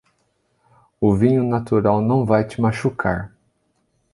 O vinho natural não vai te machucar.